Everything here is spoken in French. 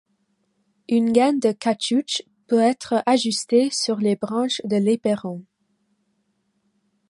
Une gaine de caoutchouc peut être ajustée sur les branches de l'éperon.